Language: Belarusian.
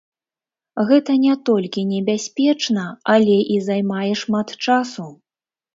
Гэта не толькі небяспечна, але і займае шмат часу.